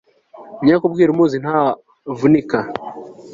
menya ko ubwira umuzi ntavunika